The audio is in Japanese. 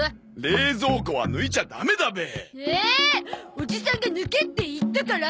おじさんが抜けって言ったから！